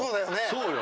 そうよ。